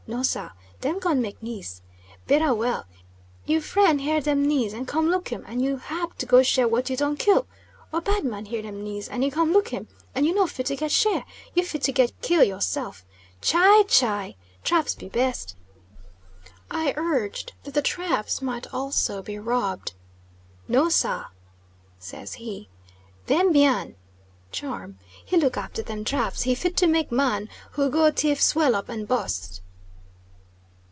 No, sah. Dem gun make nize. Berrah well. You fren hear dem nize and come look him, and you hab to go share what you done kill. Or bad man hear him nize, and he come look him, and you no fit to get share you fit to get kill yusself. Chii! chii! traps be best." I urged that the traps might also be robbed. "No, sah," says he, "them bian (charm) he look after them traps, he fit to make man who go tief swell up and bust."